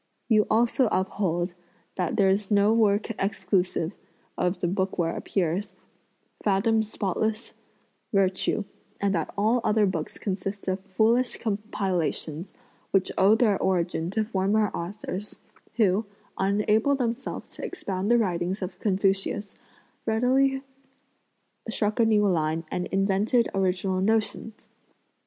You also uphold that there's no work exclusive (of the book where appears) "fathom spotless virtue;" and that all other books consist of foolish compilations, which owe their origin to former authors, who, unable themselves to expound the writings of Confucius, readily struck a new line and invented original notions.'